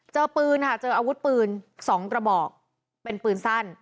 เจอปืนค่ะเจออาวุธปืน๒กระบอกเป็นปืนสั้น